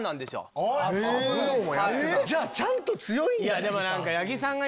じゃあちゃんと強いんや。